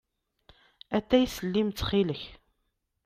Atay s llim, ttxil-k.